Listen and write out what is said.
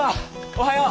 おはよう。